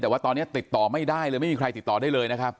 แต่ว่าตอนนี้ติดต่อไม่ได้เลยไม่มีใครติดต่อได้เลยนะครับ